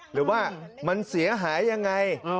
หรือว่ามันเสียหายยังไง